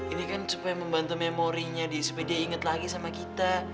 ini kan supaya membantu memorinya di spd inget lagi sama kita